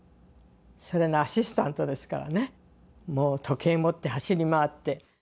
それのアシスタントですからねもう時計持って走り回って。